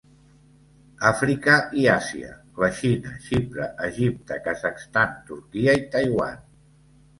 Àfrica i Àsia: la Xina, Xipre, Egipte, Kazakhstan, Turquia i Taiwan.